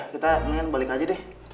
kita ingin balik aja deh